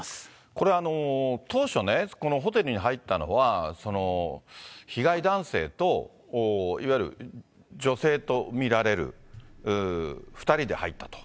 これ、当初ね、このホテルに入ったのは、被害男性と、いわゆる女性と見られる２人で入ったと。